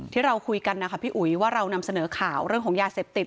ที่เราคุยกันนะคะพี่อุ๋ยว่าเรานำเสนอข่าวเรื่องของยาเสพติด